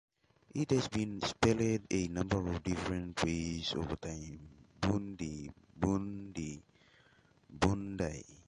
It has been spelled a number of different ways over time, Boondi, Bundi, Bundye.